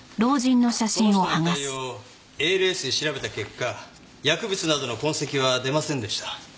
この人の遺体をＡＬＳで調べた結果薬物などの痕跡は出ませんでした。